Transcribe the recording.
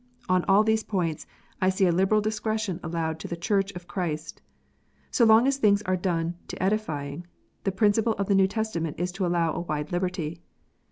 On all these points I see a liberal discretion allowed to the Church of Christ. So long as things are " done to edifying," the principle of the New Testament is to allow a wide liberty.